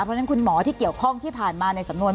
เพราะฉะนั้นคุณหมอที่เกี่ยวข้องที่ผ่านมาในสำนวน